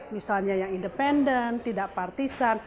misalnya yang independen tidak partisan